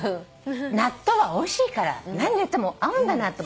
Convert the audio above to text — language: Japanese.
納豆はおいしいから何入れても合うんだなと。